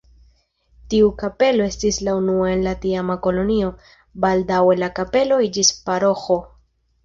Tiu kapelo estis la unua en la tiama kolonio, baldaŭe la kapelo iĝis paroĥo.